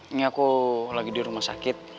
ini aku lagi di rumah sakit